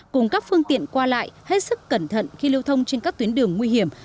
cùng các phương tiện qua lại hết sức cẩn thận khi lưu thông trên các tuyến đường nguy hiểm